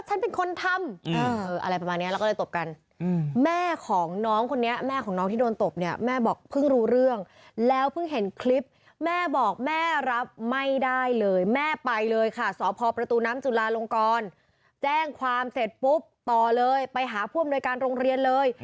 สอบพอประตูน้ำจุฬาลงกรแจ้งความเสร็จปุ๊บต่อเลยไปหาผู้อำนวยการโรงเรียนเลย